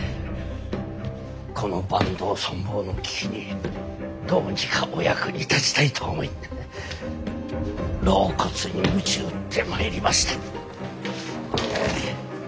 この坂東存亡の危機にどうにかお役に立ちたいと思い老骨にむち打って参りました。